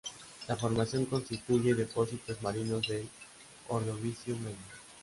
La formación constituye depósitos marinos del ordovícico medio.